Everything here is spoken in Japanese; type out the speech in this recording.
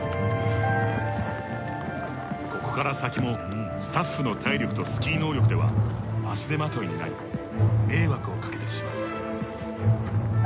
ここから先もスタッフの体力とスキー能力では足手まといになり迷惑をかけてしまう。